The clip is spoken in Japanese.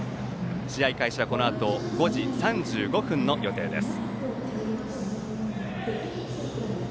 試合開始は５時３５分の予定です。